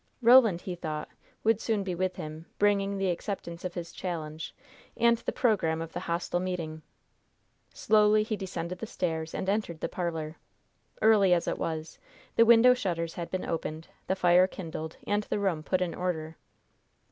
Roland, he thought, would soon be with him, bringing the acceptance of his challenge and the program of the hostile meeting. Slowly he descended the stairs and entered the parlor. Early as it was, the window shutters had been opened, the fire kindled and the room put in order.